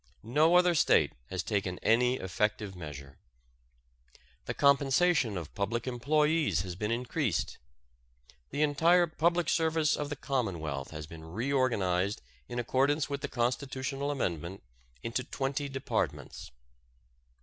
No other State has taken any effective measure. The compensation of public employees has been increased. The entire public service of the Commonwealth has been reorganized in accordance with the constitutional amendment into twenty departments.